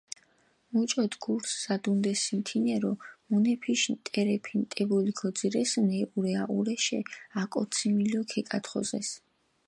მუჭოთ გურს ზადუნდესინ თინერო მუნეფიშ ნტერეფი ნტებული ქოძირესინ, ეჸურე-აჸურეშე, აკოციმილო ქეკათხოზეს.